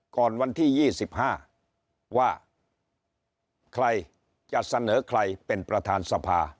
ก่อนวันที่๒๕ว่าใครจะเสนอใครเป็นประธานสภา